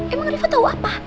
emang riva tahu apa